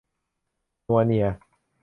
นัวเนีย